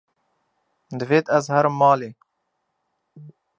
Divêt ez herim malê